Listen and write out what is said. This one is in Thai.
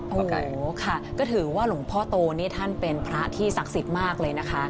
โอ้โหค่ะก็ถือว่าหลวงพ่อโตนี่ท่านเป็นพระที่ศักดิ์สิทธิ์มากเลยนะคะ